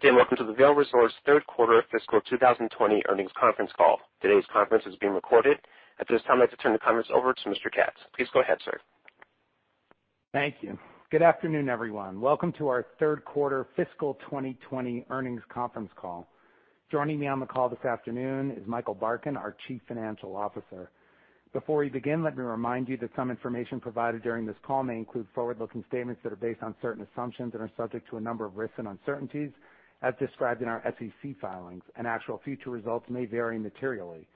Good day and welcome to the Vail Resorts Q3 Fiscal 2020 Earnings Conference Call. Today's conference is being recorded at this time. I'd like to turn the conference over to Mr. Katz, please. Go ahead, sir. Thank you. Good afternoon, everyone. Welcome to our Q3 Fiscal 2020 Earnings Conference Call. Joining me on the call this afternoon is Michael Barkin, our Chief Financial Officer. Before we begin, let me remind you that some information provided during this call may include forward looking statements that are based on certain assumptions and are subject to a number of risks and uncertainties that are as described in our SEC filings and actual future results may vary materially.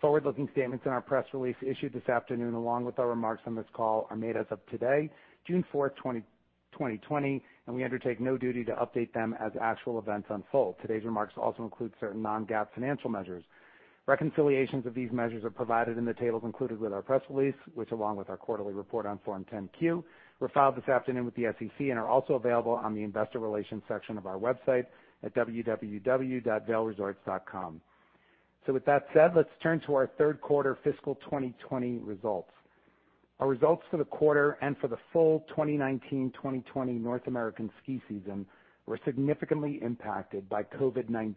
Forward looking statements in our press release issued this afternoon along with our remarks on this call are made as of today, June 4, 2020, and we undertake no duty to update them as actual events unfold to oday's remarks also include certain non-GAAP financial measures. Reconciliations of these measures are provided in the tables included with our press release, which along with our Quarterly Report on Form 10-Q filing, filed this afternoon with the SEC, are also available on the Investor Relations section of our website at www.vailresorts.com, So, with that said, let's turn to our Q3 fiscal 2020 results. Our results for the quarter and for the full 2019-2020 North American ski season were significantly impacted by COVID-19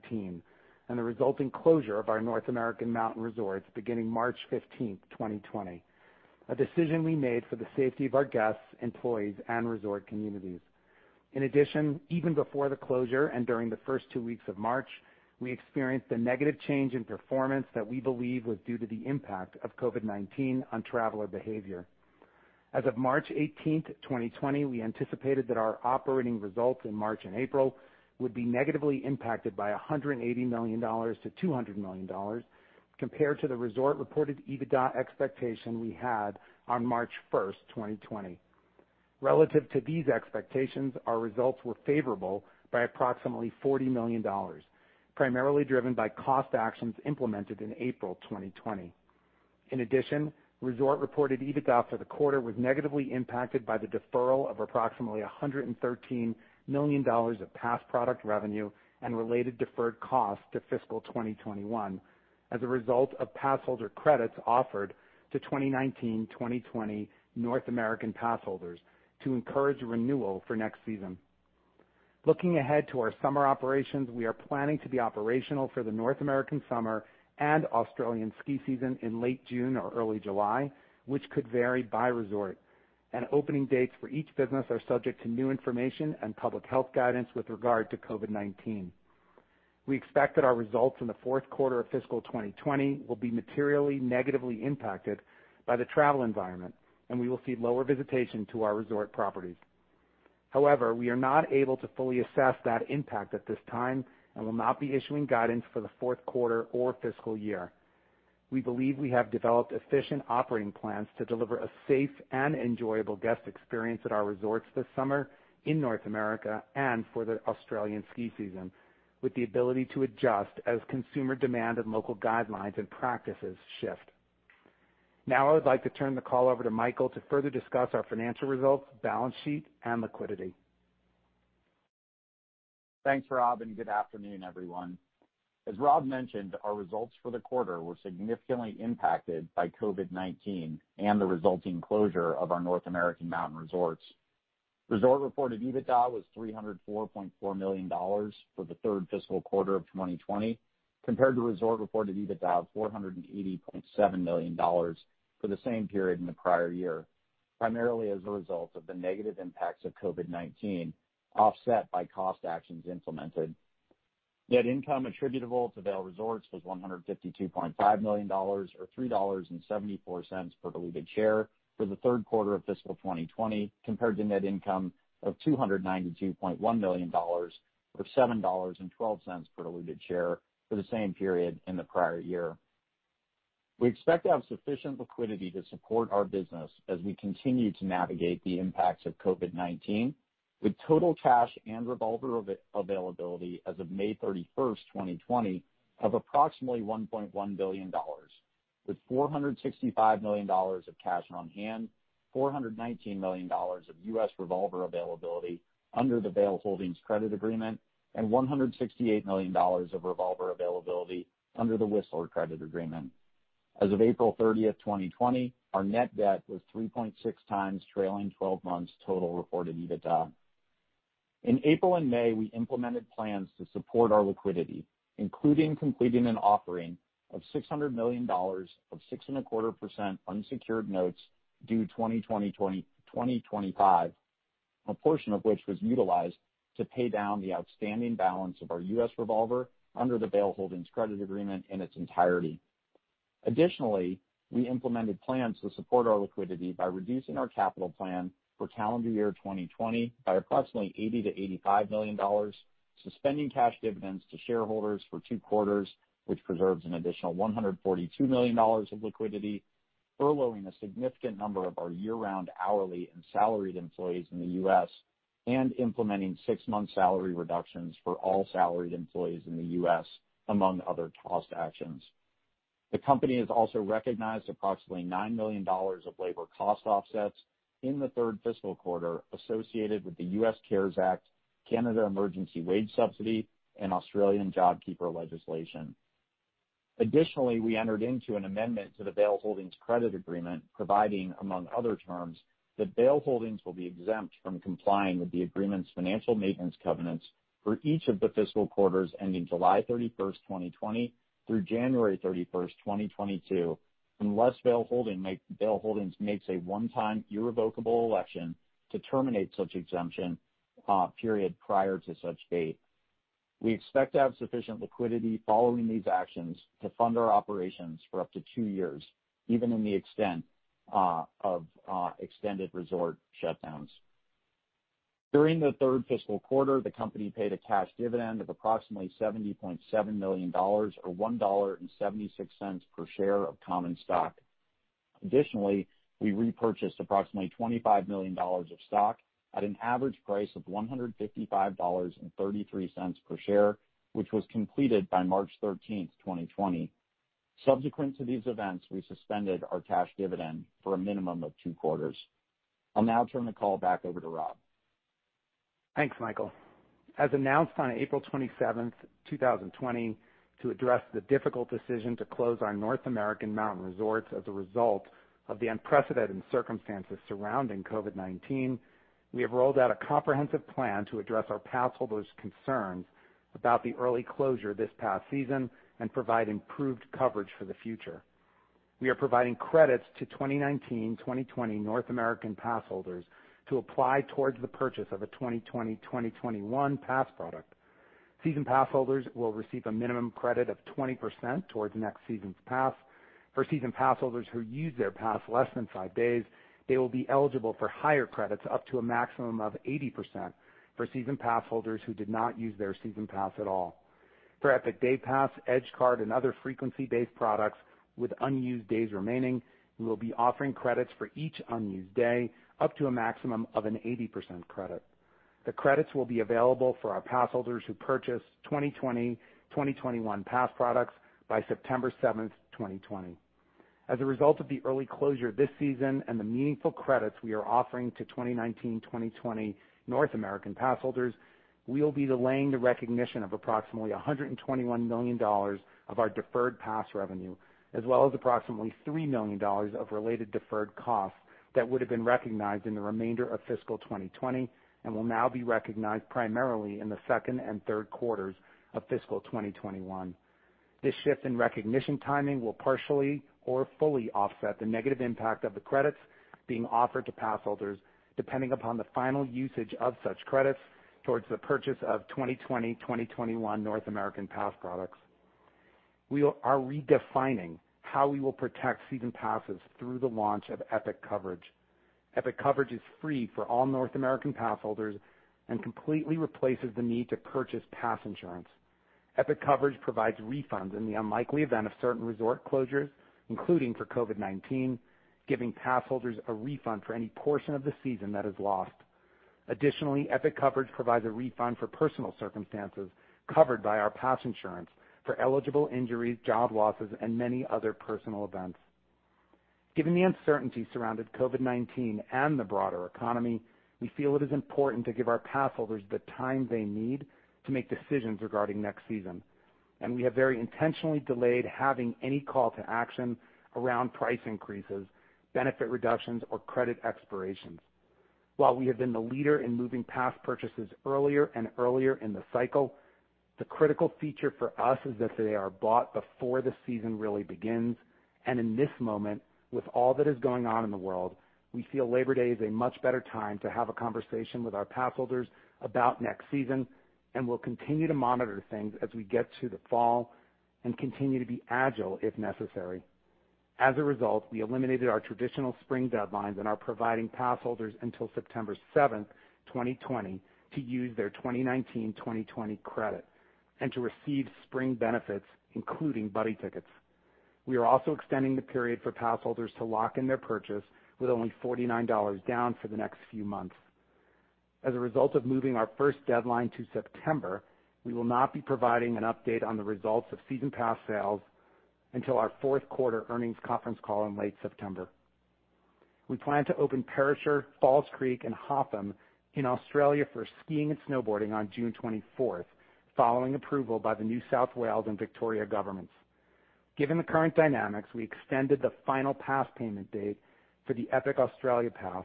and the resulting closure of our North American mountain resorts beginning March 15, 2020, a decision we made for the safety of our guests, employees and resort communities. In addition, even before the closure and during the first two weeks of March, we experienced a negative change in performance that we believe was due to the impact of COVID-19 on traveler behavior. As of March 18, 2020. We anticipated that our operating results in March and April would be negatively impacted by $180-$200 million compared to the Resort Reported EBITDA expectation we had on March 1, 2020. Relative to these expectations, our results were favorable by approximately $40 million, primarily driven by cost actions implemented in April 2020. In addition, Resort Reported EBITDA for the quarter was negatively impacted by the deferral of approximately $113 million of past product revenue and related deferred costs to fiscal 2021 as a result of passholder credits offered to 2019-2020 North American passholders to encourage renewal for next season. Looking ahead to our summer operations, we are planning to be operational for the North American summer and Australian ski season in late June or early July, which could vary by resort, and opening dates for each business are subject to new information and public health guidance. With regard to COVID-19, we expect that our results in the Q4 of Fiscal 2020 will be materially negatively impacted by the travel environment and we will see lower visitation to our resort properties. However, we are not able to fully assess that impact at this time and will not be issuing guidance for the Q4 or fiscal year. We believe we have developed efficient operating plans to deliver a safe and enjoyable guest experience at our resorts this summer in North America and for the Australian ski season with the ability to adjust as consumer demand and local guidelines and practices shift. Now I would like to turn the call over to Michael to further discuss our financial results, balance sheet and liquidity. Thanks, Rob and good afternoon everyone. As Rob mentioned, our results for the quarter were significantly impacted by COVID-19 and the resulting closure of our North American Mountain resorts. Resort reported EBITDA was $304.4 million for the third fiscal quarter of 2020 compared to resort reported EBITDA of $480.7 million for the same period in the prior year, primarily as a result of the negative impacts of COVID-19 offset by cost actions implemented. Net income attributable to Vail Resorts was $152.5 million, or $3.74 per diluted share for the Q3 of fiscal 2020 compared to net income of $292.1 million, or $7.12 per diluted share for the same period in the prior year. We expect to have sufficient liquidity to support our business as we continue to navigate the impacts of COVID-19 with total cash and revolver availability as of May 31, 2020 of approximately $1.1 billion with $465 million of cash on hand, $419 million of U.S. revolver availability under the Vail Holdings Credit Agreement and $168 million of revolver availability under the Whistler Credit Agreement. As of April 30, 2020, our net debt was 3.6 times trailing 12 months total reported EBITDA. In April and May, we implemented plans to support our liquidity, including completing an offering of $600 million of 6.25% unsecured notes due 2025, a portion of which was utilized to pay down the outstanding balance of our U.S. Revolver under the Vail Holdings Credit Agreement in its entirety. Additionally, we implemented plans to support our liquidity by reducing our capital plan for calendar year 2020 by approximately $80-$85 million, suspending cash dividends to shareholders for two quarters, which preserves an additional $142 million of liquidity, furloughing a significant number of our year-round hourly and salaried employees in the U.S. and implementing six-month salary reductions for all salaried employees in the U.S. among other cost actions. The Company has also recognized approximately $9 million of labor cost offsets in the third fiscal quarter associated with the U.S. CARES Act, Canada Emergency Wage Subsidy and Australian JobKeeper legislation. Additionally, we entered into an amendment to the Vail Holdings Credit Agreement providing, among other terms, that Vail Holdings will be exempt from complying with the Agreement's financial maintenance covenants for each of the fiscal quarters ending July 31, 2020, through January 31, 2022, unless Vail Holdings makes a one-time irrevocable election to terminate such exemption period prior to such date. We expect to have sufficient liquidity following these actions to fund our operations for up to two years, even in the event of extended resort shutdowns. During the third fiscal quarter, the Company paid a cash dividend of approximately $70.7 million or $1.76 per share of common stock. Additionally, we repurchased approximately $25 million of stock at an average price of $155.33 per share which was completed by March 13, 2020. Subsequent to these events, we suspended our cash dividend for a minimum of two quarters. I'll now turn the call back over to Rob. Thanks, Michael. As announced on April 27, 2020, to address the difficult decision to close our North American Mountain Resorts as a result of the unprecedented circumstances surrounding COVID-19, we have rolled out a comprehensive plan to address our passholders' concerns about the early closure this past season and provide improved coverage for the future. We are providing credits to 2019-2020 North American passholders to apply towards the purchase of a 2020-2021 pass product. Season Pass holders will receive a minimum credit of 20% towards next season's pass. For Season Pass holders who use their pass less than five days, they will be eligible for higher credits up to a maximum of 80% for Season Pass holders who did not use their Season Pass at all. For Epic Day Pass, Edge Card and other frequency-based products with unused days remaining, we will be offering credits for each unused day up to a maximum of an 80% credit. The credits will be available for our passholders who purchase 2020-2021 Pass products by September 7, 2020. As a result of the early closure this season and the meaningful credits we are offering to 2019-2020 North American passholders we will be delaying the recognition of approximately $121 million of our deferred pass revenue, as well as approximately $3 million of related deferred costs that would have been recognized in the remainder of fiscal 2020 and will now be recognized primarily in the Q2 and Q3 of fiscal 2021. This shift in recognition timing will partially or fully offset the negative impact of the credits being offered to pass holders. Depending upon the final usage of such credits towards the purchase of 2020-2021 North American Pass products, we are redefining how we will protect season passes through the launch of Epic Coverage. Epic Coverage is free for all North American passholders and completely replaces the need to purchase pass insurance. Epic Coverage provides refunds in the unlikely event of certain resort closures, including for COVID-19, giving pass holders a refund for any portion of the season that is lost. Additionally, Epic Coverage provides a refund for personal circumstances covered by our pass insurance for eligible injuries, job losses, and many other personal events. Given the uncertainty surrounding COVID-19 and the broader economy, we feel it is important to give our passholders the time they need to make decisions regarding next season and we have very intentionally delayed having any call to action around price increases, benefit reductions or credit expirations. While we have been the leader in moving pass purchases early, earlier and earlier in the cycle, the critical feature for us is that they are bought before the season really begins and in this moment, with all that is going on in the world, we feel Labor Day is a much better time to have a conversation with our passholders about next season and we'll continue to monitor things as we get to the fall and continue to be agile if necessary. As a result, we eliminated our traditional spring deadlines and are providing passholders until September 2, 2020 to use their 2019-2020 credit and to receive spring benefits including buddy tickets. We are also extending the period for passholders to lock in their purchase with only $49 down for the next few months. As a result of moving our first deadline to September, we will not be providing an update on the results of season pass sales until our Q4 earnings conference call in late September. We plan to open Perisher, Falls Creek, and Hotham in Australia for skiing and snowboarding on June 24 following approval by the New South Wales and Victoria governments. Given the current dynamics, we extended the final pass payment date for the Epic Australia Pass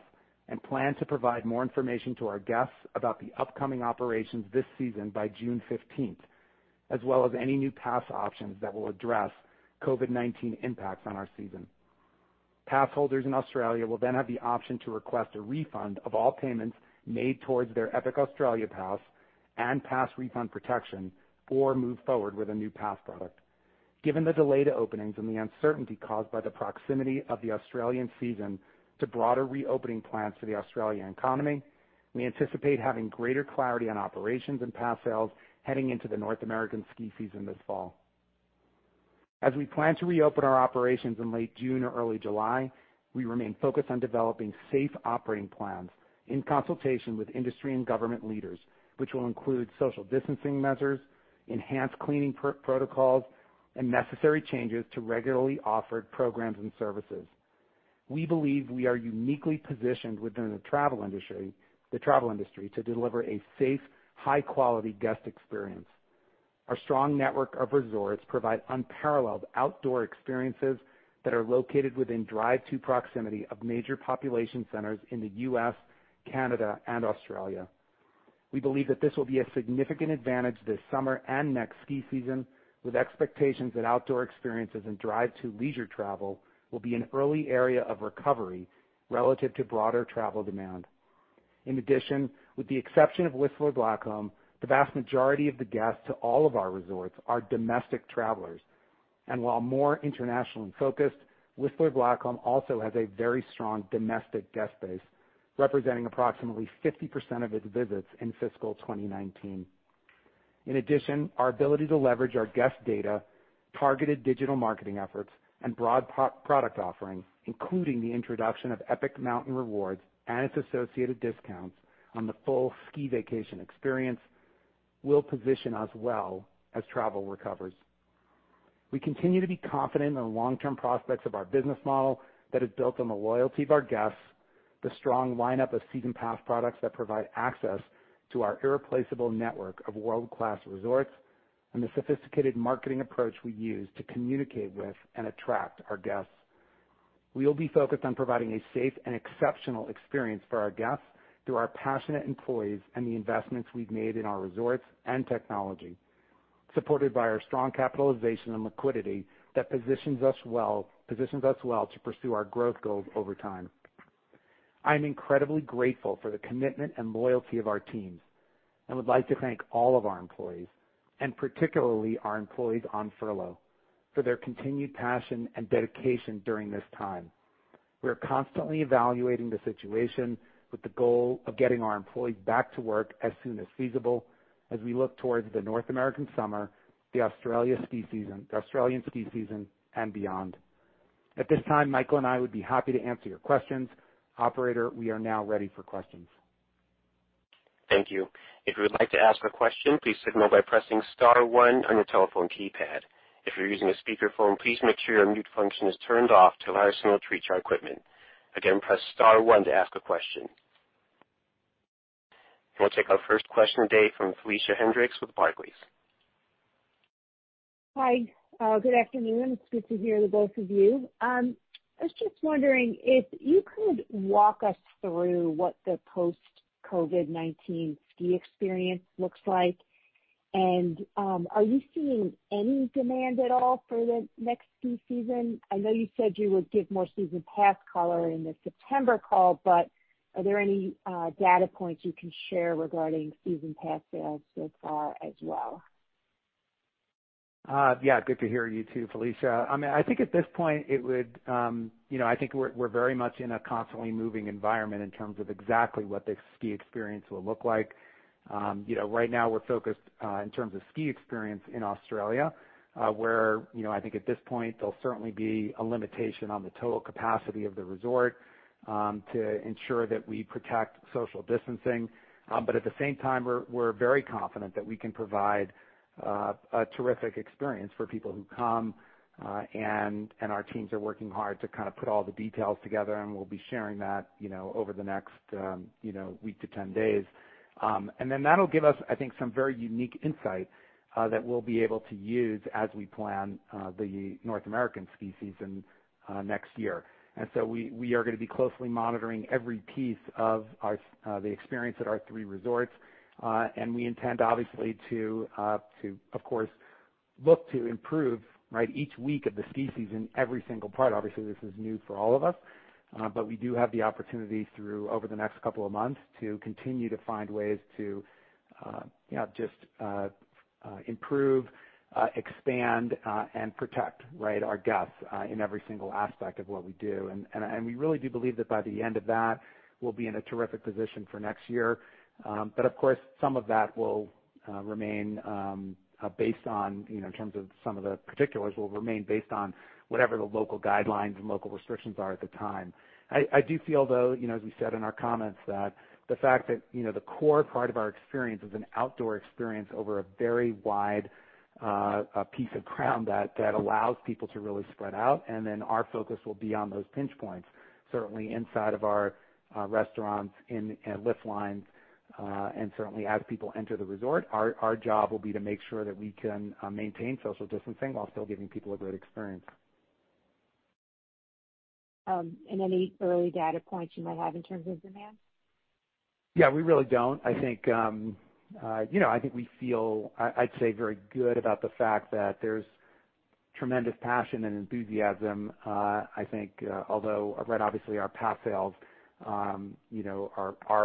and plan to provide more information to our guests about the upcoming operations this season by June 15th as well as any new pass options that will address COVID-19 impacts on our Season Pass holders. In Australia, will then have the option to request a refund of all payments made towards their Epic Australia Pass and Pass Refund Protection or move forward with a new pass product. Given the delay to openings and the uncertainty caused by the proximity of the Australian season to broader reopening plans for the Australian economy, we anticipate having greater clarity on operations and pass sales heading into the North American ski season this fall as we plan to reopen our operations in late June or early July. We remain focused on developing safe operating plans in consultation with industry and government leaders which will include social distancing measures, enhanced cleaning protocols and necessary changes to regularly offered programs and services. We believe we are uniquely positioned within the travel industry to deliver a safe, high quality guest experience. Our strong network of resorts provide unparalleled outdoor experiences that are located within drive-to proximity of major population centers in the U.S., Canada and Australia. We believe that this will be a significant advantage this summer and next ski season with expectations that outdoor experiences and drive-to leisure travel will be an early area of recovery and relative to broader travel demand. In addition, with the exception of Whistler Blackcomb, the vast majority of the guests to all of our resorts are domestic travelers and while more international and focused, Whistler Blackcomb also has a very strong domestic guest base representing approximately 50% of its visits in Fiscal 2019. In addition, our ability to leverage our guest data, targeted digital marketing efforts and broad product offering including the introduction of Epic Mountain Rewards and its associated discounts on the full ski vacation experience will position us well as travel recovers. We continue to be confident in the long term prospects of our business model that is built on the loyalty of our guests. The strong lineup of season pass products that provide access to our irreplaceable network of world class resorts and the sophisticated marketing approach we use to communicate with and attract our guests. We will be focused on providing a safe and exceptional experience for our guests through our passionate employees and the investments we've made in our resorts and technology supported by our strong capitalization and liquidity that positions us well to pursue our growth goals over time. I am incredibly grateful for the commitment and loyalty of our teams and would like to thank all of our employees and particularly our employees on furlough for their continued passion and dedication during this time. We are constantly evaluating the situation with the goal of getting our employees back to work as soon as feasible as we look towards the North American summer, the Australian ski season and beyond. At this time, Michael and I would be happy to answer your questions. Operator, we are now ready for questions. Thank you. If you would like to ask a question, please signal by pressing star one on your telephone keypad. If you're using a speakerphone, please make sure your mute function is turned off to allow our signal to reach our equipment. Again, press star one to ask a question. We'll take our first question of the day from Felicia Hendrix with Barclays. Hi, good afternoon. It's good to hear the both of you. I was just wondering if you could walk us through what the post-COVID-19 ski experience looks like, and are you seeing any demand at all for the next ski season? I know you said you would give more season pass color in the September call, but are there any data points you can share regarding season pass sales so far as well? Yeah, good to hear you, too, Felicia. I think at this point, it would. You know, I think we're very much in a constantly moving environment in terms of exactly what the ski experience will look like. You know, right now, we're focused in terms of ski experience in Australia, where, you know, I think at this point, there'll certainly be a limitation on the total capacity of the resort to ensure that we protect social distancing. But at the same time, we're very confident that we can provide a terrific experience for people who come. And our teams are working hard to kind of put all the details together, and we'll be sharing that over the next week to 10 days, and then that will give us, I think, some very unique insight that we'll be able to use as we plan the North American season next year. We are going to be closely monitoring every piece of the experience at our three resorts, and we intend, obviously, to, of course, look to improve each week of the ski season, every single part obviously, this is new for all of us, but we do have the opportunity through over the next couple of months to continue to find ways to just improve, expand, and protect our guests in every single aspect of what we do. And we really do believe that by the end of that, we'll be in a terrific position for next year. But, of course, some of that will remain based on. Some of the particulars will remain based on whatever the local guidelines and local restrictions are at the time. I do feel, though, as we said in our comments, that the fact that the core part of our experience is an outdoor experience over a very wide piece of ground that allows people to really spread out, and then our focus will be on those pinch points, certainly inside of our restaurants and lift lines, and certainly as people enter the resort, our job will be to make sure that we can maintain social distancing while still giving people a great experience. Any early data points you might have in terms of demand. Yeah, we really don't, I think, you know, I think we feel, I'd say, very good about the fact that there's tremendous passion and enthusiasm. I think, although obviously our pass sales. Are,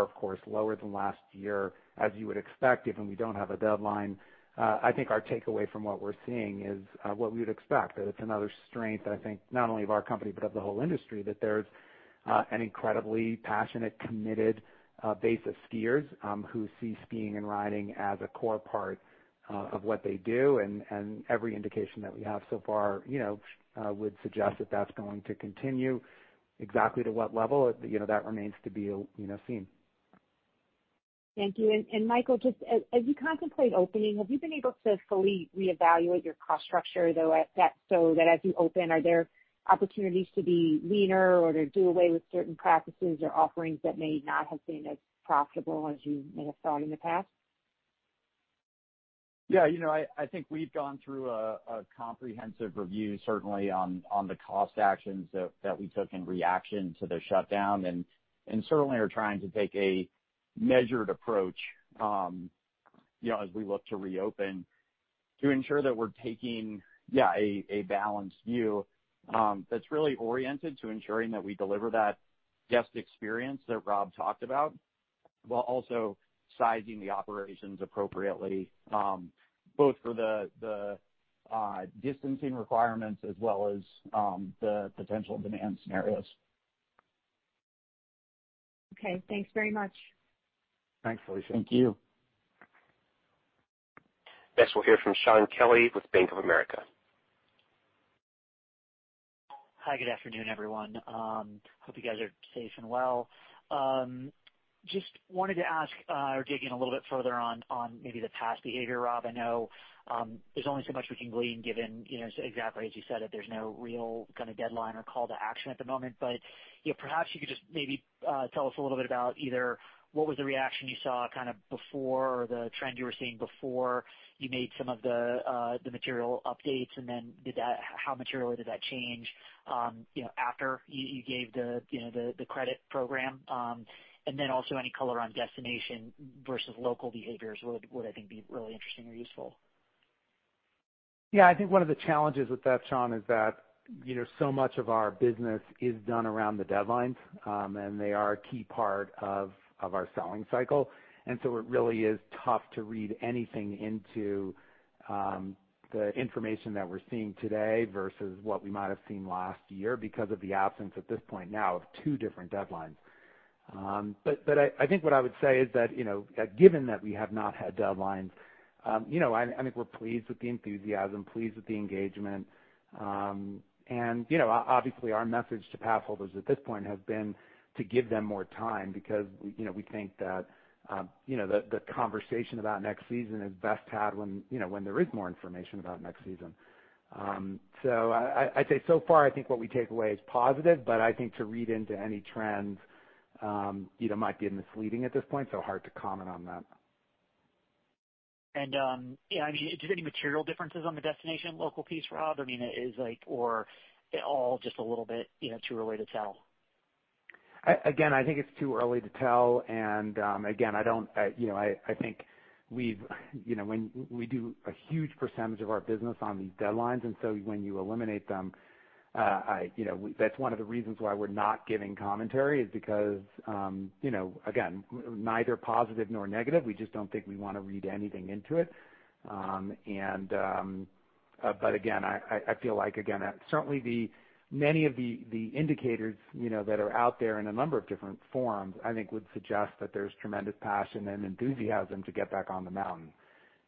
of course, lower than last year, as you would expect, even we don't have a deadline. I think our takeaway from what we're seeing is what we would expect, that it's another strength, I think, not only of our company, but of the whole industry, that there's an incredibly passionate, committed base of skiers who see skiing and riding as a core part of what they do, and every indication that we have so far would suggest that that's going to continue. Exactly to what level, that remains to be seen. Thank you. Michael, just as you contemplate opening, have you been able to fully reevaluate your cost structure, though, so that as you open, are there opportunities to be leaner or to do away with certain practices or offerings that may not have seen as profitable as you may have thought in the past? Yeah, you know, I think we've gone through a comprehensive review, certainly on the cost actions that we took in reaction to the shutdown, and certainly are trying to take a measured approach. As we. Look to reopen to ensure that we're taking a balanced view that's really oriented to ensuring that we deliver that guest experience that Rob talked about, while also sizing the operations appropriately, both for the distancing requirements as well as the potential demand scenarios. Okay, thanks very much. Thanks, Felicia. Thank you. Next we'll hear from Shaun Kelley with Bank of America. Good afternoon, everyone. Hope you guys are safe and well. Just wanted to ask or dig in a little bit further on maybe the pass behavior Rob, I know there's only so much we can glean, given exactly as you said, that there's no real kind of deadline or call to action at the moment. But perhaps you could just maybe tell us a little bit about either what was the reaction you saw kind of before, or the trend you were seeing before you made some of the material updates and then did that. How materially did that change after you gave the credit program? And then also any color on destination versus local behaviors would, I think, be really interesting or useful. Yeah, I think one of the challenges with that, Sean, is that so much of our business is done around the deadlines and they are a key part of our selling cycle, and so it really is tough to read anything into. The information that we're seeing today versus what we might have seen last year, because of the absence at this point now of two different deadlines. But I think what I would say is that given that we have not had deadlines, I think we're pleased with the enthusiasm, pleased with the engagement. And obviously our message to pass holders at this point has been to give them more time because we think that, you know, the conversation about next season is best had when there is more information about next season. So I'd say so far, I think what we take away is positive, but I think to read into any trends might be misleading at this point so hard to comment on that. I mean, is there any material differences on the destination local piece? Rob, I mean, is it like overall just a little bit too early to tell? Again, I think it's too early to tell. We do a huge percentage of our business on these deadlines. And so when you eliminate them. That's one of the reasons why we're not giving commentary is because, you know, again, neither positive nor negative we just don't think we want to read anything into it. But again, I feel like again, certainly many of the indicators that are out there in a number of different forms, I think would suggest that there's tremendous passion and enthusiasm to get back on the mountain.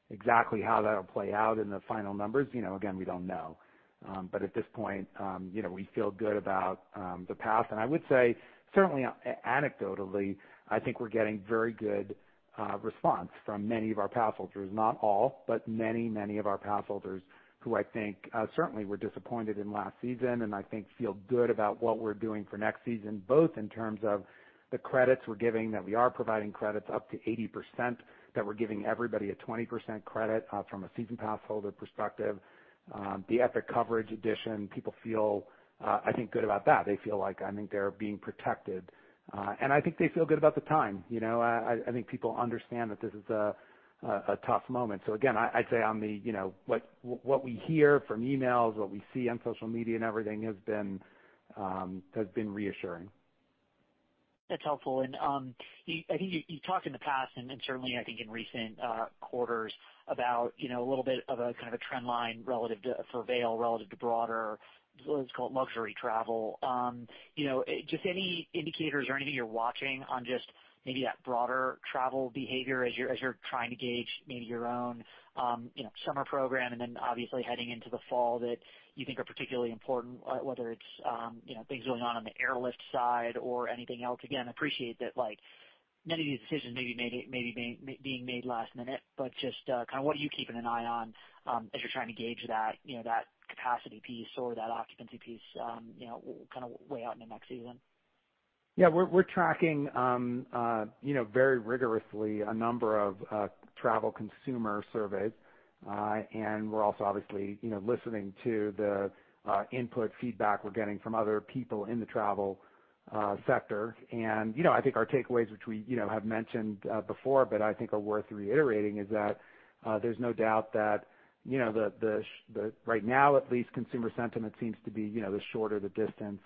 Exactly how that will play out in the final numbers, again, we don't know. But at this point we feel good about the path. I would say certainly anecdotally, I think we're getting very good response from many of our passholders. Not all, but many, many of our passholders who I think certainly were disappointed in last season and I think feel good about what we're doing for next season, both in terms of the credits we're giving, that we are providing credits up to 80%, that we're giving everybody a 20% credit from a Season Pass holder perspective. The Epic Coverage addition, people feel, I think, good about that they feel like, I think they're being protected and I think they feel good about the time. You know, I think people understand that this is a tough moment, So again, I'd say on the, you know, what we hear from emails, what we see on social media and everything has been reassuring. That's helpful. And I think you talked in the past and certainly I think in recent quarters about a little bit of a kind of a trend line relative for Vail, relative to broader, let's call it luxury travel. Just any indicators or anything you're watching on just maybe that broader travel behavior as you're trying to gauge maybe your own summer program and then obviously heading into the fall that you think are particularly important, whether it's. Things going on on the airlift side or anything else again, I appreciate that, like many of these decisions may be being made last minute, but just kind of what are you keeping an eye on as you're trying to gauge that capacity piece or that occupancy piece kind of way out into next season? Yeah, we're tracking very rigorously a number of travel consumer surveys. We're also obviously listening to the input feedback we're getting from other people in the travel sector. I think our takeaways, which we have mentioned before, but I think are worth reiterating, is that there's no doubt that. Right now, at least consumer sentiment seems to be the shorter the distance,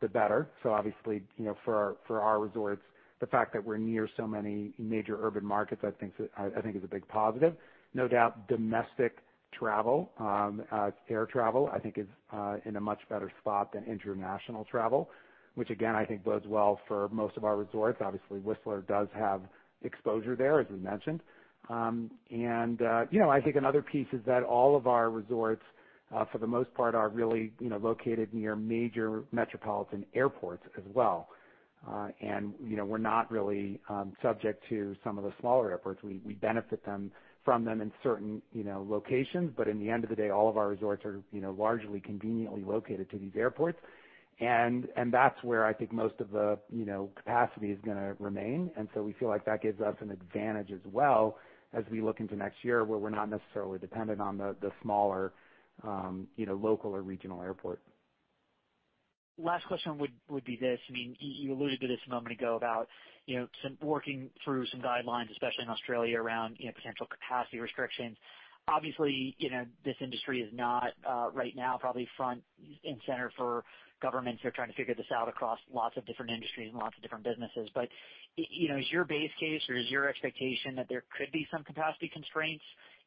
the better. So obviously for our resorts, the fact that we're near so many major urban markets, I think is a big positive, no doubt. Domestic travel, air travel, I think is in a much better spot than international travel, which again, I think bodes well for most of our resorts obviously, Whistler does have exposure there, as we mentioned. And I think another piece is that all of our resorts, for the most part are really located near major metropolitan airports as well. And we're not really subject to some of the smaller airports we benefit from them in certain locations but in the end of the day, all of our resorts are largely conveniently located to these airports. And that's where I think most of the capacity is going to remain. We feel like that gives us an advantage as well as we look into next year where we're not necessarily dependent on the smaller local or regional airport. Last question would be this. I mean, you alluded to this a moment ago about working through some guidelines, especially in Australia, around potential capacity restrictions. Obviously, this industry is not right now probably front and center for governments who are trying to figure this out across lots of different industries and lots of different businesses. But is your base case or is your expectation that there could be some capacity constraints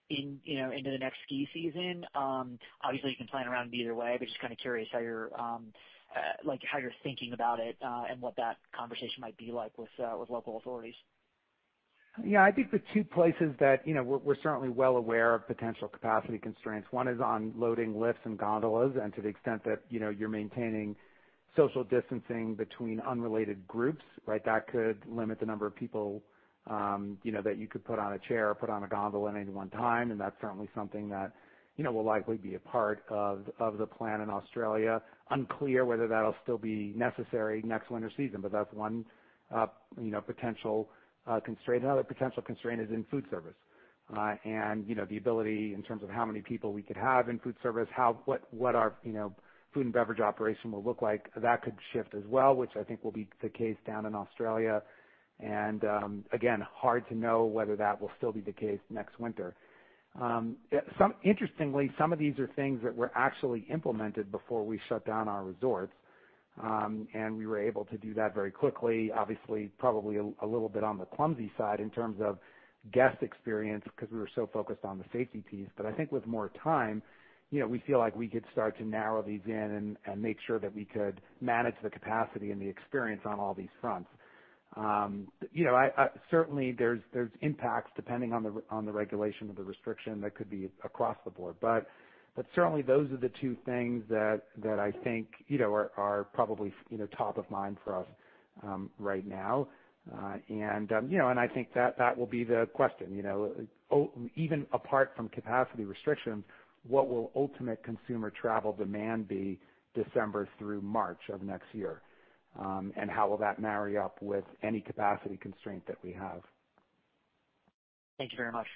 into the next ski season? Obviously you can plan around either way, but just kind of curious how you're like, how you're thinking about it and what that conversation might be like with local authorities. Yeah, I think the two places that we're certainly well aware of potential capacity constraints one is on loading lifts and gondolas, and to the extent that you're maintaining social distancing between unrelated groups. Right that could limit the number of people, you know, that you could put on a chair or put on a gondola at any one time, and that's certainly something that, you know, will likely be a part of the plan in Australia. Unclear whether that will still be necessary next winter season, but that's one, you know, potential constraint another potential constraint is in food service and, you know, the ability in terms of how many people we could have in food service, what our food and beverage operation will look like, That could shift as well, which I think will be the case down in Australia. Again, hard to know whether that will still be the case next winter. Interestingly, some of these are things that were actually implemented before we shut down our resorts, and we were able to do that very quickly, Obviously, probably a little bit on the clumsy side in terms of guest experience because we were so focused on the safety piece but I think with more time, we feel like we could start to narrow these in and make sure that we could manage the capacity and the experience on all these fronts. Certainly there's impacts depending on the regulation of the restriction that could be across the board, but certainly those are the two things that I think are probably top of mind for us right now, and I think that will be the question, even apart from capacity restrictions, what will ultimate consumer travel demand be December through March of next year, and how will that marry up with any capacity constraint that we have? Thank you very much.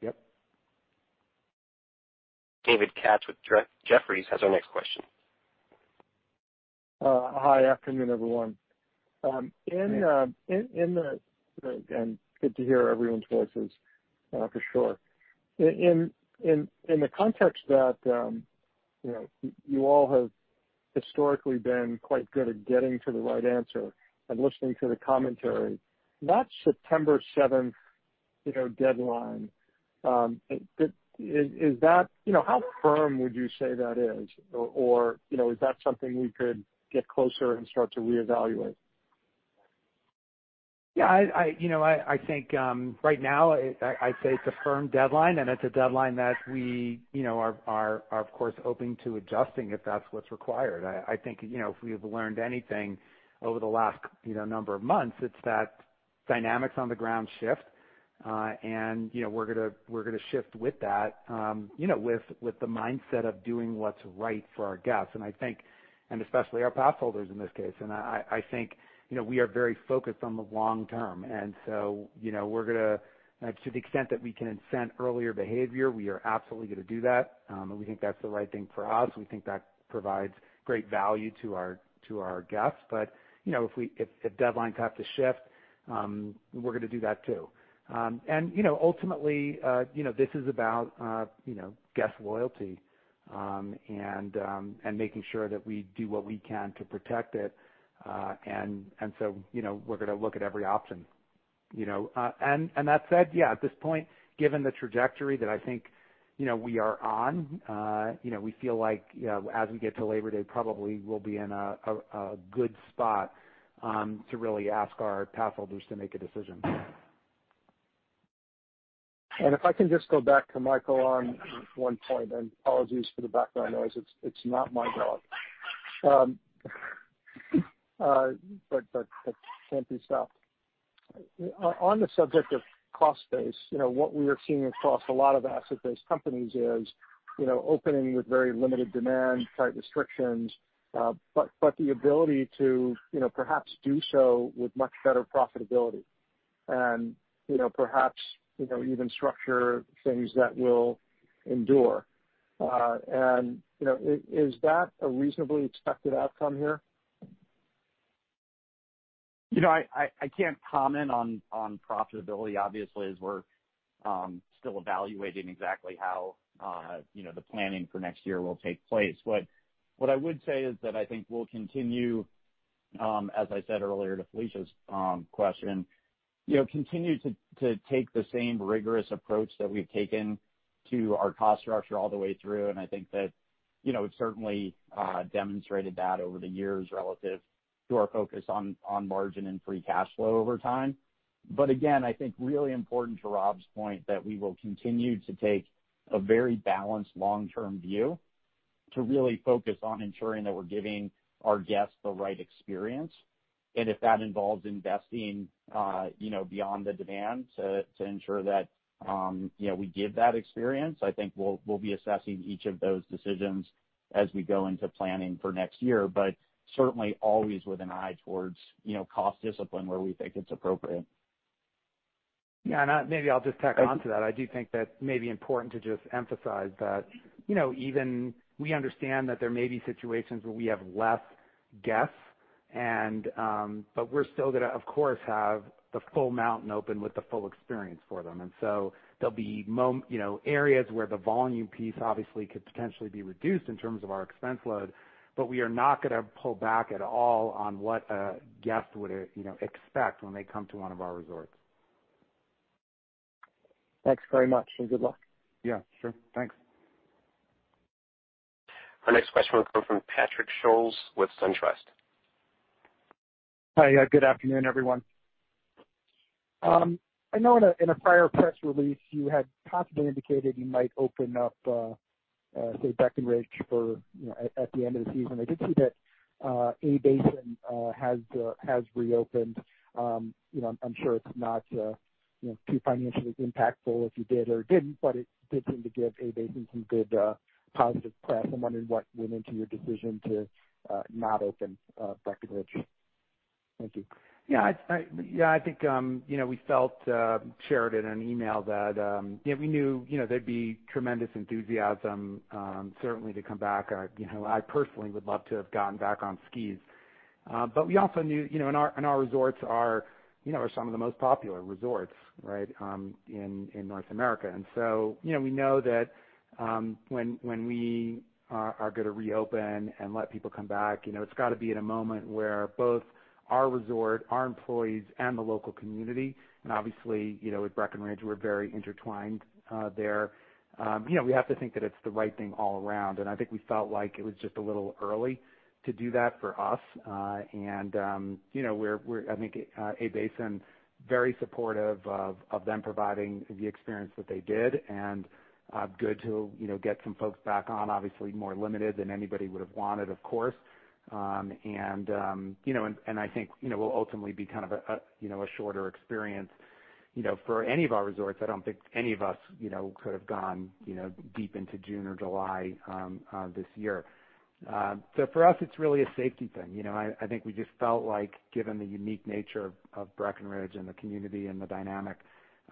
Yep. David Katz with Jefferies has our next question. Hi Afternoon, everyone. Good to hear everyone's voices, for sure. In the context that. You all have historically been quite good at getting to the right answer and listening to the commentary. That September 7th deadline. Is that how firm would you say that is? Or is that something we could get closer and start to re-evaluate? Yeah, I think right now I'd say it's a firm deadline, and it's a deadline that we are, of course, open to adjusting, if that's what's required, I think if we've learned anything over the last number of months, it's that dynamics on the ground shift. And we're going to shift with that with the mindset of doing what's right for our guests and I think especially our passholders in this case. And I think we are very focused on the long term. And so we're going to, to the extent that we can incent earlier behavior, we are absolutely going to do that. We think that's the right thing for us, We think that provides great value to our guests but, you know, if deadlines have to shift, we're going to do that too. And, you know, ultimately, you know, this is about, you know, guest loyalty and making sure that we do what we can to protect it. And so, you know, we're going to look at every option, you know and that said, yeah, at this point, given the trajectory that I think, you know, we are on, you know, we feel like as we get to Labor Day, probably we'll be in a good spot to really ask our pass holders to make a decision. And if I can just go back to Michael on one point, and apologies for the background noise. It's not my dog. But can't be stopped. On the subject of cost base, what we are seeing across a lot of asset-based companies is opening with very limited demand, tight restrictions, but the ability to perhaps do so with much better profitability and perhaps even structure things that will endure. And is that a reasonably expected outcome here? I can't comment on profitability, obviously, as we're still evaluating exactly how the planning for next year will take place. What I would say is that I think we'll continue, as I said earlier to Felicia's question, continue to take the same rigorous approach that we've taken to our cost structure all the way through, and I think that we've certainly demonstrated that over the years relative to our focus on margin and free cash flow over time, but again, I think really important to Rob's point that we will continue to take a very balanced long-term view to really focus on ensuring that we're giving our guests the right experience. If that involves investing beyond the demand to ensure that we give that experience, I think we'll be assessing each of those decisions as we go into planning for next year, but certainly always with an eye towards cost discipline where we think it's appropriate. Yeah, maybe I'll just tack onto that. I do think that may be important to just emphasize that even we understand that there may be situations where we have less guests, but we're still going to, of course, have the full mountain open with the full experience for them. And so there'll be areas where the volume piece obviously could potentially be reduced in terms of our expense load, but we are not going to pull back at all on what a guest would expect when they come to one of our resorts. Thanks very much and good luck. Yeah, sure, thanks. Our next question will come from Patrick Scholes with SunTrust. Hi, good afternoon, everyone. I know in a prior press release, you had confidently indicated you might open up, say, Breckenridge for at the end of the season i did see that Arapahoe Basin has reopened. I'm sure it's not too financially impactful if you did or didn't, but it did seem to give Arapahoe Basin some good positive press im wondering what went into your decision to not open Breckenridge. Thank you. Yeah, I think we shared in an email that we knew there'd be tremendous enthusiasm certainly to come back, I personally would love to have gotten back on snow, but we also knew and our resorts are some of the most popular resorts in North America and so, we know that when we are going to reopen and let people come back, it's got to be at a moment where both our resort, our employees and the local community and obviously at Breckenridge, we're very intertwined there. We have to think that it's the right thing all around and I think we felt like it was just a little early to do that for us. And I think Arapahoe Basin very supportive of them providing the experience that they did. And good to get some folks back on obviously more limited than anybody would have wanted, of course. And I think will ultimately be kind of a shorter experience for any of our resorts. I don't think any of us could have gone deep into June or July this year. So for us, it's really a safety thing. I think we just felt like, given the unique nature of Breckenridge and the community and the dynamic,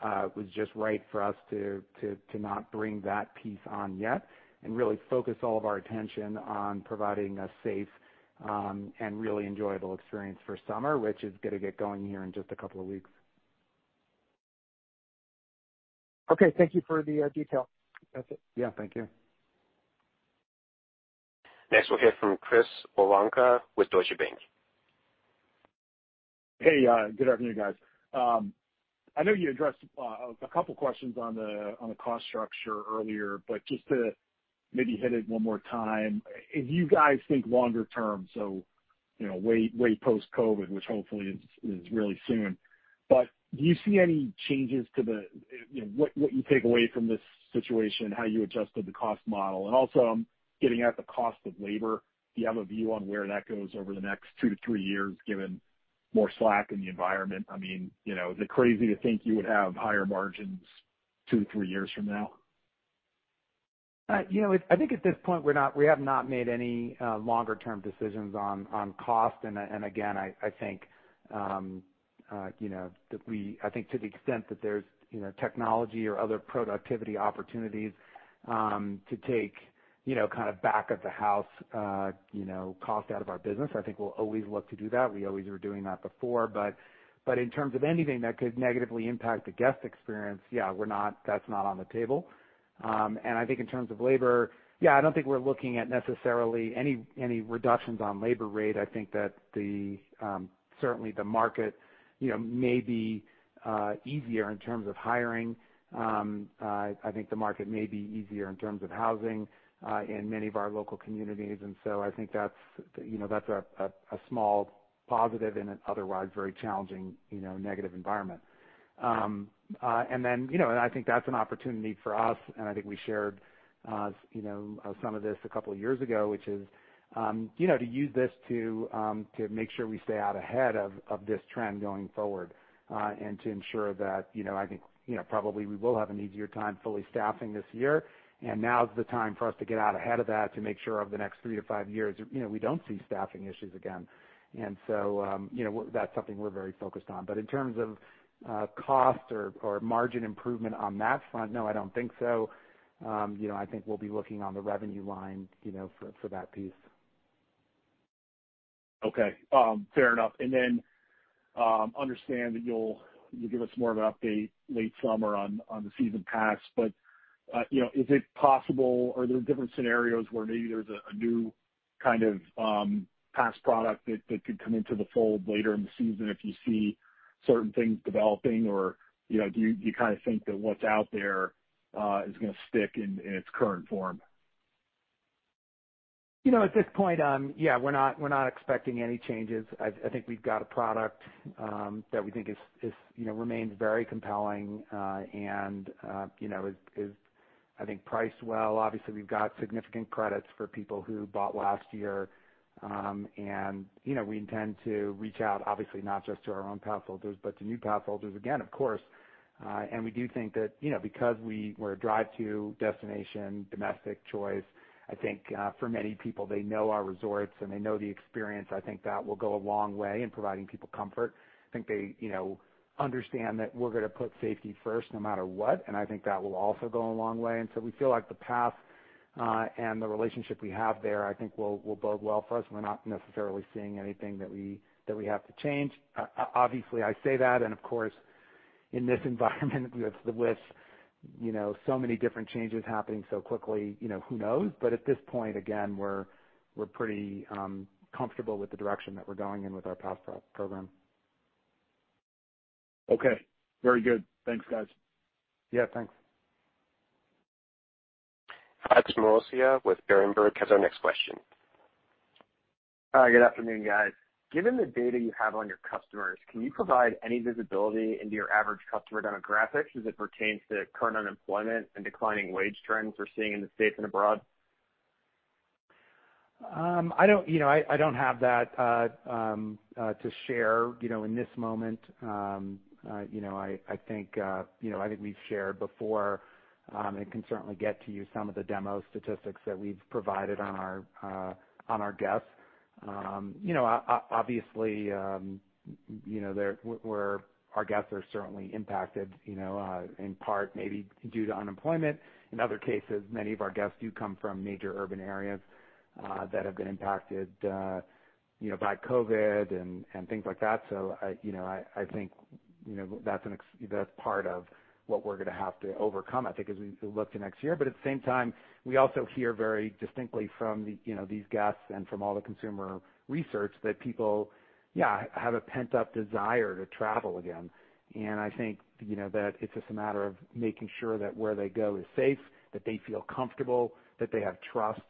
it was just right for us to not bring that piece on yet and really focus all of our attention on providing a safe and really enjoyable experience for summer, which is going to get going here in just a couple of weeks. Okay, thank you for the detail. Yeah, thank you. Next we'll hear from Chris Woronka with Deutsche Bank. Hey, good afternoon, guys. I know you addressed a couple questions on the cost structure earlier, but just to maybe hit it one more time, if you guys think longer term, so, you know, way post COVID, which hopefully is really soon. But do you see any changes to? What you take away from this situation, how you adjusted the cost model? And also I'm getting at the cost of labor. Do you have a view on where? That goes over the next two to three years, given more slack in the environment? I mean, you know, is it crazy to think you would have higher margins two, three years from now? You know, I think at this point we have not made any longer term decisions on cost and again, I think. I think to the extent that there's technology or other productivity opportunities to take kind of back of the house cost out of our business, I think we'll always look to do that we always were doing that before but. In terms of anything that could negatively impact the guest experience, yeah, that's not on the table. And I think in terms of labor, yeah, I don't think we're looking at necessarily any. Any reductions on labor rate. I think that certainly the market may be easier in terms of hiring. I think the market may be easier in terms of housing in many of our local communities. And so I think that's a small positive in an otherwise very challenging negative environment. And then I think that's an opportunity for us. And I think we shared. Some of this a couple of years ago, which is to use this to make sure we stay out ahead of this trend going forward and to ensure that I think probably we will have an easier time fully staffing this year. Now is the time for us to get out ahead of that to make sure over the next three to five years we don't see staffing issues again. That's something we're very focused on. In terms of cost or margin improvement on that front, no, I don't think so. I think we'll be looking on the revenue line for that piece. Okay, fair enough, and then understand that you'll give us more of an update late summer on the season pass. But is it possible, are there different scenarios where maybe there's a new kind of pass product that could come into the fold later in the season if you see certain things developing or do you kind of think that what's out there is going to stick in its current form. At this point? Yeah, we're not expecting any changes I think we've got a product that we think remains very compelling and is, I think, priced well obviously, we've got significant credits for people who bought last year, and we intend to reach out obviously not just to our own passholders but to new passholders again, of course. We do think that because we're a drive to destination domestic choice, I think for many people, they know our resorts and they know the experience i think that will go a long way in providing people comfort. I think they understand that we're going to put safety first no matter what, and I think that will also go a long way, so we feel like the path and the relationship we have there, I think, will bode well for us, We're not necessarily seeing anything that we have to change. Obviously I say that, Of course, in this environment, with so many different changes happening so quickly, who knows? At this point, again, we're pretty comfortable with the direction that we're going in with our pass product program. Okay, very good. Thanks, guys. Yeah, thanks. Matthew Boss with J.P. Morgan has our next question. Good afternoon, guys. Given the data you have on your customers, can you provide any visibility into? Your average customer demographics as it pertains to current unemployment and declining wage trends we're seeing in the states and abroad? I don't have that to share in this moment. I think we've shared before and can certainly get to you some of the demo statistics that we've provided on our guests. You know, obviously, you know, our guests are certainly impacted, you know, in part maybe due to unemployment in other cases many of our guests do come from major urban areas that have been impacted. You know, by COVID-19 and things like that, So, you know, I think, you know, that's part of what we're going to have to overcome, I think, as we look to next year but at the same time, we also hear very distinctly from these guests and from all the consumer research that people have a pent up desire to travel again. And I think that it's just a matter of making sure that where they go is safe, that they feel comfortable, that they have trust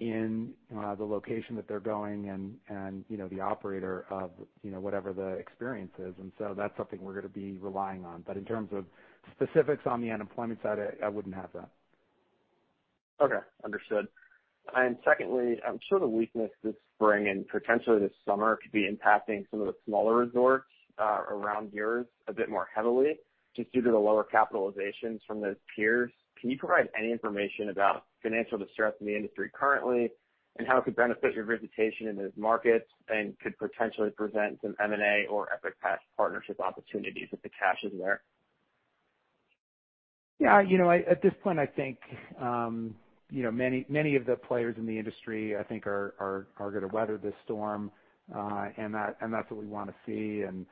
in the location that they're going and the operator of whatever the experience is. And so that's something we're going to be relying on but in terms of specifics on the unemployment side, I wouldn't have that. Okay, understood. And secondly, I'm sure the weakness this. Spring and potentially this summer could be impacting some of the smaller resorts around yours a bit more heavily just due to the lower capitalizations from those peers. Can you provide any information about financial distress in the industry currently and how? It could benefit your visitation in those. Markets and could potentially present some M&A or Epic Pass partnership opportunities if the cash is there? Yeah, you know, at this point, I think, you know, many, many of the players in the industry, I think, are going to weather this storm and that's what we want to see. And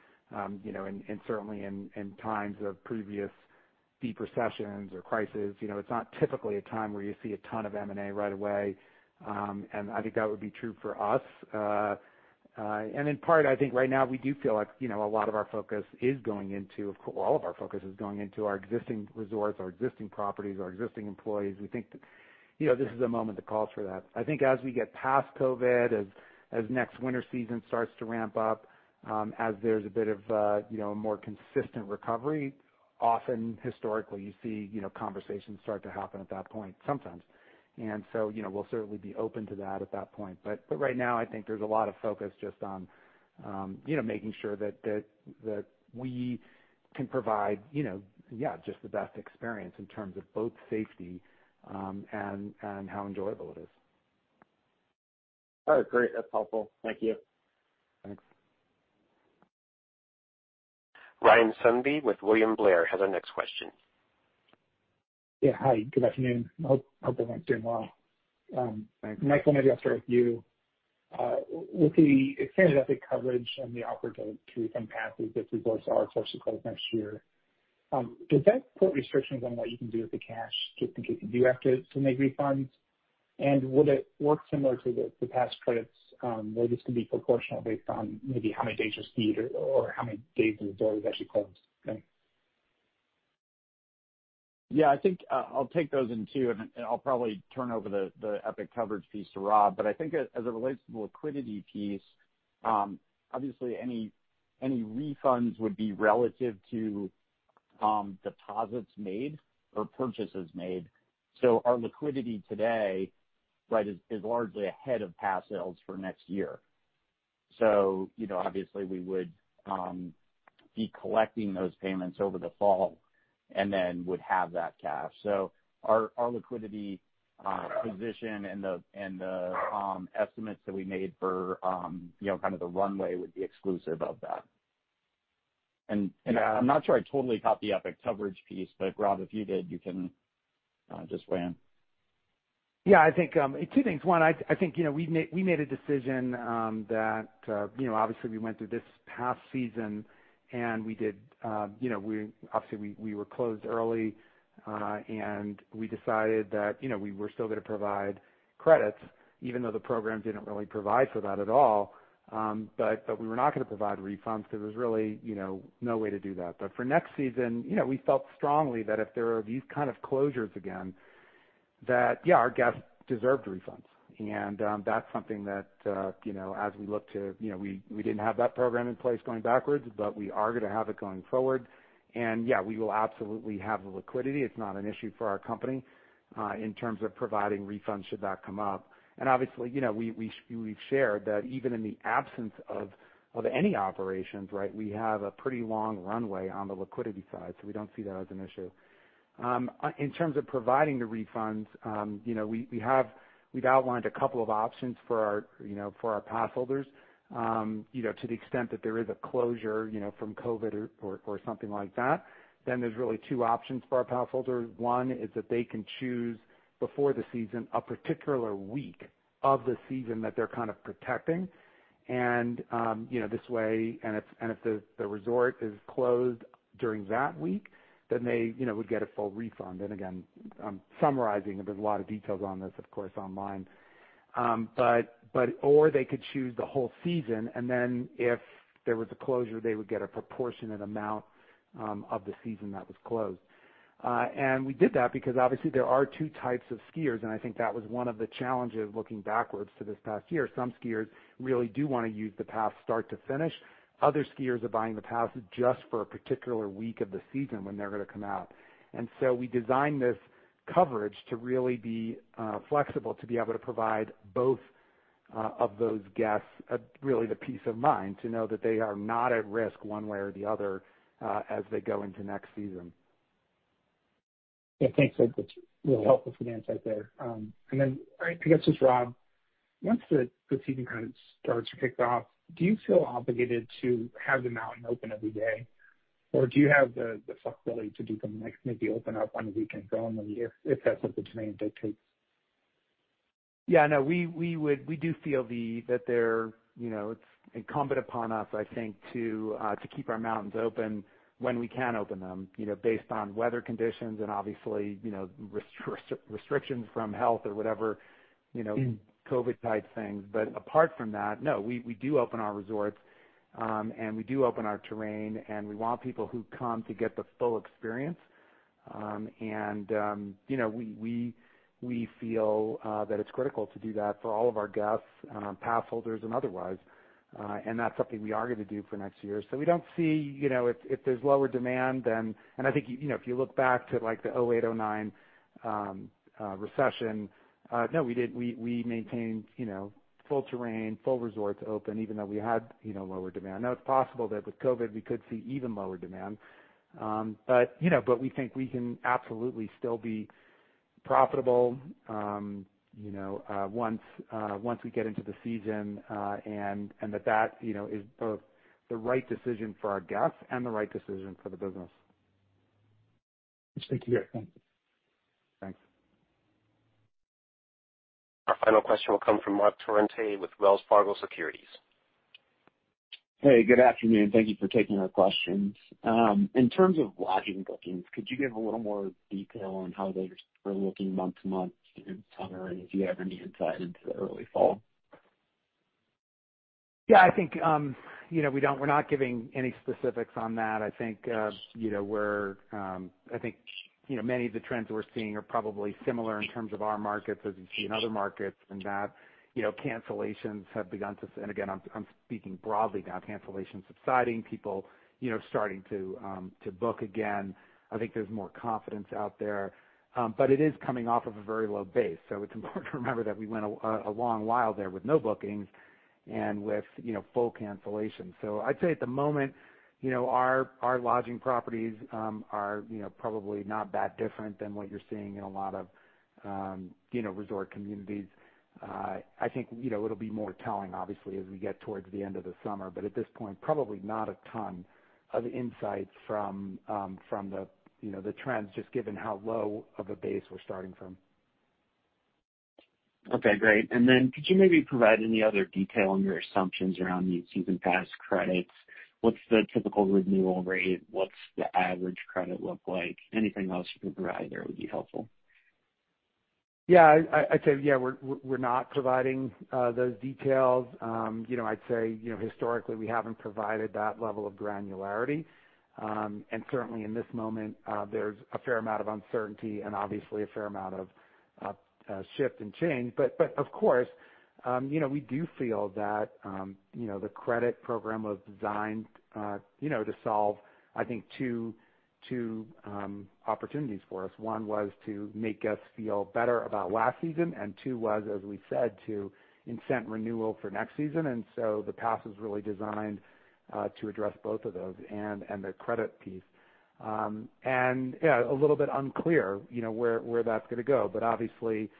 you know, and certainly in times of previous deep recessions or crisis, you know, it's not typically a time where you see a ton of M&A right away. And I think that would be true for us. In part, I think right now we do feel like, you know, a lot of our focus, all of our focus, is going into our existing resorts, our existing properties, our existing employees we think, you know, this is a moment that calls for that. I think as we get past COVID. As next winter season starts to ramp up, as there's a bit of, you know, more consistent recovery, often, historically, you see, you know, conversations start to happen at that point sometimes, so we'll certainly be open to that at that point, but right now, I think there's a lot of focus just on making sure that we can provide just the best experience in terms of both safety and how enjoyable it is. All right, great. That's helpful. Thank you. Thanks. Ryan Sundby with William Blair has our next question. Yeah, hi. Good afternoon. Hope everyone's doing well. Michael, maybe I'll start with you. With the extended Epic Coverage and the option to refund passes if the resorts are forced to close next year, does that put restrictions on what you can do with the cash just in case you do have to submit refunds? And would it work similar to the past credits where this could be proportional based on maybe how many days received or how many days the resort is actually closed? Okay. Yeah, I think I'll take those in two, and I'll probably turn over the Epic Coverage piece to Rob. But I think as it relates to the liquidity piece, obviously any refunds would be relative to deposits made or purchases made. So, our liquidity today is largely ahead of pass sales for next year. So obviously we would be collecting those payments over the fall and then would have that cash, So, our liquidity position and the estimates that we made for kind of the runway would be exclusive of that. And I'm not sure I totally caught the Epic Coverage piece. But, Rob, if you did, you can just weigh in. Yeah, I think two things. One, I think we made a decision that obviously we went through this past season, and we did, obviously we were closed early, and we decided that we were still going to provide credits, even though the program didn't really provide for that at all. But we were not going to provide refunds because there was really no way to do that but for next season, we felt strong, strongly that if there are these kinds of closures again, that, yeah, our guests deserved refunds. And that's something that, you know, as we look to, you know, we didn't have that program in place going backwards, but we are going to have it going forward. And yes, we will absolutely have the liquidity. It's not an issue for our company in terms of providing refunds, should that come up. Obviously, you know, we've shared that even in the absence of any operations, right. We have a pretty long runway on the liquidity side. So, we don't see that as an issue in terms of providing the refunds. You know, we've outlined a couple of options for our, you know, for our passholders. You know, to the extent that there is a closure, you know, from COVID or something like that, then there's really two options for our pass holders, One is that they can choose before the season a particular week of the season that they're kind of protecting and, you know, this way. And if the resort is closed during that week, then they would get a full refund. Again, summarizing, there's a lot of details on this, of course, online. They could choose the whole season, and then if there was a closure, they would get a proportionate amount of the season that was closed. And we did that because obviously there are two types of skiers. And I think that was one of the challenges. Looking backwards to this past few, some skiers really do want to use the pass start to finish. Other skiers are buying the pass just for a particular week of the season when they are going to come out. And so we designed this coverage to really be flexible to be able to provide both of those guests really, the peace of mind to know that they are not at risk one way or the other as they go into next season. Thanks. Which will help the finances out there and then I guess, just, Rob, once the season kind of starts or kicks off, do you feel obligated to have them out and open every day, or do you have the flexibility to do them maybe open up on the weekends only if that's what the demand dictates? Yeah. No, we do feel that they're, you know, it's incumbent upon us, I think, to keep our mountains open when we can open them based on weather conditions and obviously restrictions from health or whatever, COVID-type things but apart from that, no, we do open our resorts and we do open our terrain, and we want people who come to get the full experience, and, We feel that it's critical to do that for all of our guests, pass holders and otherwise. And that's something we are going to do for next year so we don't see if there's lower demand then. And I think if you look back to like the 2008-2009 recession. No, we didn't. We maintained full terrain, full resorts open, even though we had lower demand now, it's possible that with COVID we could see even lower demand, but we think we can absolutely still be profitable. Once we get into the season, and that is both the right decision for our guests and the right decision for the business. Thank you very much. Thanks. Our final question will come from Marc Torrente with Wells Fargo Securities. Hey, good afternoon. Thank you for taking our questions. In terms of lodging bookings, could you? Give a little more detail on. How they are looking month to month in summer and if you have any insight into the early fall? Yeah, I think, you know, we don't. We're not giving any specifics on that. I think, you know, we're. I think, you know, many of the trends we're seeing are probably similar in terms of our markets as you see in other markets in that, you know, cancellations have begun to. And again, I'm speaking broadly now, cancellations subsiding, people starting to book again. I think there's more confidence out there, but it is coming off of a very low base. So it's important to remember that we went a long while there with no bookings and with full cancellation. So I'd say at the moment, our lodging properties are probably not that different than what you're seeing in a lot of resort communities. I think it'll be more telling, obviously, as we get towards the end of the summer, but at this point, probably not a ton of. Of insight from. The trends, just given how low of a base we're starting from. Okay, great. And then could you maybe provide any? Other detail on your assumptions around these season pass credits? What's the typical renewal rate? What's the average credit look like? Anything else you can provide there would be helpful. Yeah, I'd say, yeah, we're not providing those details. I'd say historically we haven't provided that level of granularity, and certainly in this moment, there's a fair amount of uncertainty and obviously a fair amount of shift and change, but of course, we do feel that the credit program was designed to solve, I think, two. Opportunities for us. One was to make us feel better about last season, and two was, as we said, to incent renewal for next season and so, the pass is really designed to address both of those and the credit piece and a little bit unclear where that's going to go but obviously.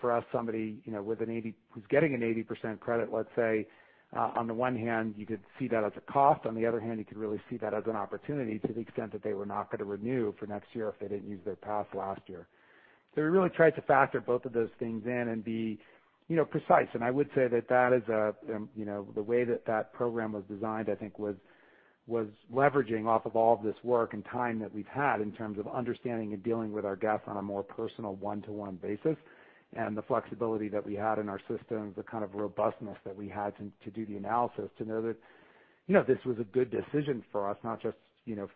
For us, somebody who's getting an 80% credit, let's say, on the one hand, you could see that as a cost. On the other hand, you could really see that as an opportunity to the extent that they were not going to renew for next year if they didn't use their pass last year. So we really tried to factor both of those things in and be precise. And I would say that that is the way that that program was designed, I think was. Was leveraging off of all this work and time that we've had in terms of understanding and dealing with our guests on a more personal, one to one basis, and the flexibility that we had in our systems, the kind of robustness that we had to do the analysis to know that this was a good decision for us, not just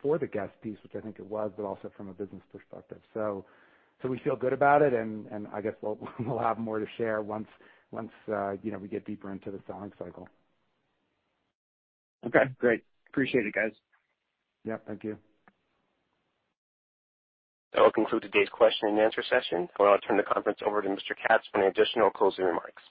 for the guest piece, which I think it was, but also from a business perspective, so we feel good about it and I guess we'll have more to share once we get deeper into the selling cycle. Okay, great. Appreciate it, guys. Yep. Thank you. That will conclude today's question and answer session. I will now turn the conference over to Mr. Katz for any additional closing remarks.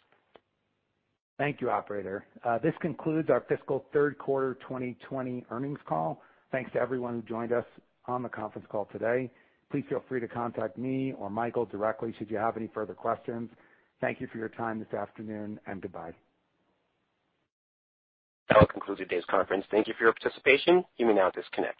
Thank you, operator. This concludes our Fiscal Q3 2020 Earnings Call. Thanks to everyone who joined us on the conference call today. Please feel free to contact me or Michael directly should you have any further questions. Thank you for your time this afternoon and goodbye. That will conclude today's conference thank you for your participation. You may now disconnect.